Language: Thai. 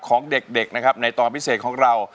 ของเด็กนะครับในตอนพิเศษของเรา